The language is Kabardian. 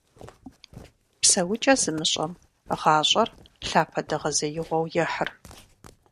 ПсэукӀэ зымыщӀэм гъащӀэр лъапэдэгъэзеигъуэу ехьыр.